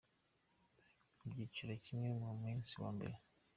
Ibyiciro byakinwe ku munsi wa mbere.